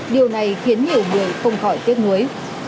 điều này khiến nhiều người không khỏi tiếc nuối